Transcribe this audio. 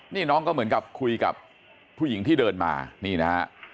นี่น้องก็เหมือนกับคุยกับผู้หญิงที่เดินมานี่นะฮะ